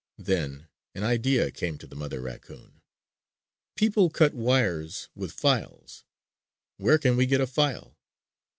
Then an idea came to the mother raccoon. "People cut wires with files! Where can we get a file?